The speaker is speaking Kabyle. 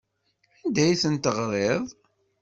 Anda ay tent-teɣriḍ?